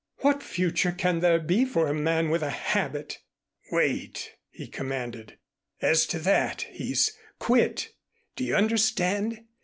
What future can there be for a man with a habit " "Wait!" he commanded. "As to that he's quit, do you understand?